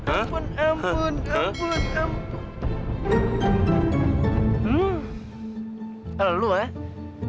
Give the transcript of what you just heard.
ampun ampun ampun ampun ampun